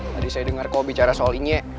tadi saya dengar kok bicara soal ini